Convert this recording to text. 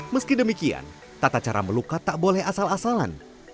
meski demikian tata cara melukat tak boleh asal asalan